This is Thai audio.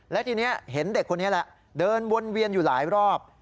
และทีนี้เห็นเด็กคนนี้แหละเดินวนเวียนอยู่หลายรอบ